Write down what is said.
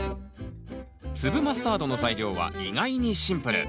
粒マスタードの材料は意外にシンプル。